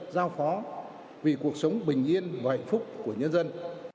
giao phó vì cuộc sống bình yên và hạnh phúc của nhân dân